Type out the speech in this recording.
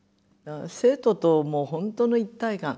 生徒と本当の一体感。